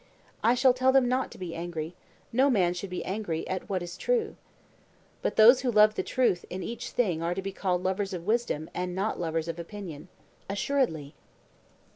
I shall tell them not to be angry; no man should be angry at what is true. But those who love the truth in each thing are to be called lovers of wisdom and not lovers of opinion. Assuredly.